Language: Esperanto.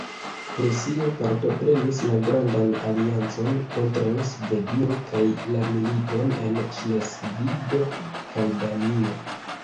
Prusio partoprenis la grandan aliancon kontraŭ Svedio kaj la militon en Ŝlesvigo kaj Danio.